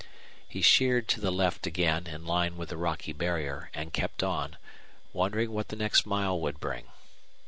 He sheered to the left again, in line with the rocky barrier, and kept on, wondering what the next mile would bring.